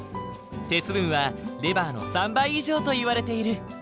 鉄分はレバーの３倍以上といわれている。